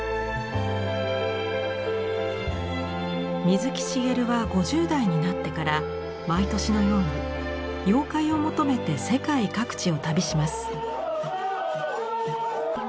水木しげるは５０代になってから毎年のように妖怪を求めて世界各地を旅します。